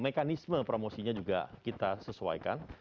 mekanisme promosinya juga kita sesuaikan